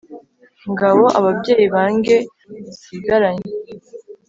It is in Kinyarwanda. ngabo ababyeyi bange nsigaranye